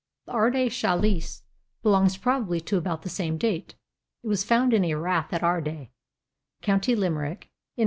The Ardagh Chalice belongs probably to about the same date. It was found in a rath at Ardagh, county Limerick, in 1868.